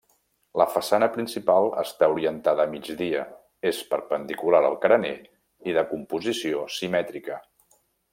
La façana principal està orientada a migdia, és perpendicular al carener i de composició simètrica.